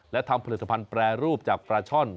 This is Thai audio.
และทำผลิตภัณฑ์แปรรูปจากปลาช่อน